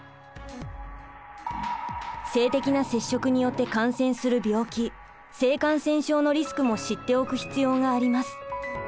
性的な接触によって感染する病気性感染症のリスクも知っておく必要があります。